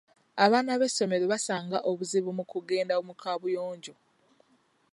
Abaana b'essomero basanga obuzibu mu kugenda mu kabuyonjo.